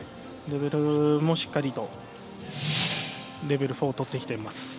レベルもしっかりとレベル４をとってきています。